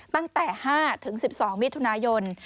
ตั้งแต่๕๑๒มิถุนายน